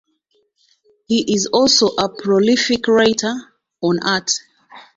He is also a prolific writer on art.